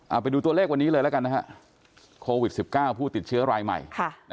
เอาไปดูตัวเลขวันนี้เลยแล้วกันนะฮะโควิด๑๙ผู้ติดเชื้อรายใหม่